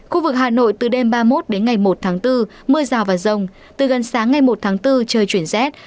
khu vực hà nội từ đêm ba mươi một đến ngày một tháng bốn mưa rào và rông từ gần sáng ngày một tháng bốn trời chuyển rét